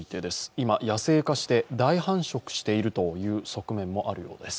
今、野生化して大繁殖している側面もあるようです。